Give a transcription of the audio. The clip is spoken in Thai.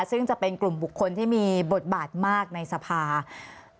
ซึ่งจะเป็นกลุ่มบุคคลที่มีบทบาทมากในสภา